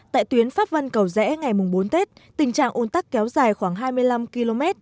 tại tuyến pháp vân cầu rẽ ngày bốn tết tình trạng ôn tắc kéo dài khoảng hai mươi năm km